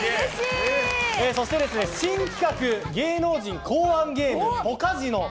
そして新企画芸能人考案ゲームポカジノ。